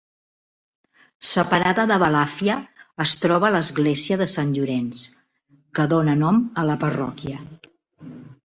Separada de Balàfia es troba l'església de Sant Llorenç, que dóna nom a la parròquia.